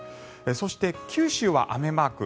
そして、九州は雨マーク。